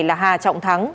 là hà trọng thắng